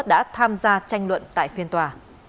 đã tham gia tranh luận tại phiên tòa